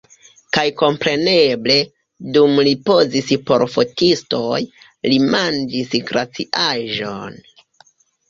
Kaj kompreneble, dum li pozis por fotistoj, li manĝis glaciaĵon!